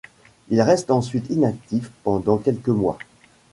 Il reste ensuite inactif pendant quelques mois.